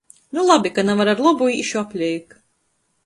Nu labi! Ka navar ar lobu, īšu apleik.